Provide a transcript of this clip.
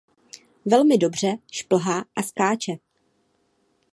Velmi dobře šplhá a skáče.